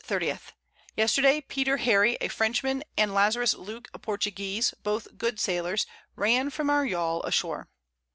_ Yesterday Peter Harry a Frenchman, and Lazarus Luke a Portuguese, both good Sailors, ran from our Yall ashore.